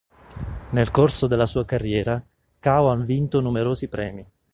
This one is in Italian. Nel corso della sua carriera, Kao ha vinto numerosi premi.